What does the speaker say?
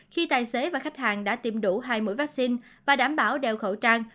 khi tài xế và khách hàng đã tìm đủ hai mũi vaccine và đảm bảo đeo khẩu trang